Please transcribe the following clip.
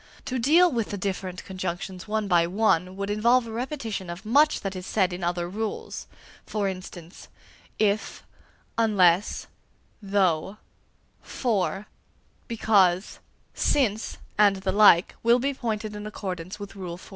To deal with the different conjunctions one by one, would involve a repetition of much that is said in other rules. For instance, if, unless, though, for, because, since, and the like, will be pointed in accordance with Rule IX.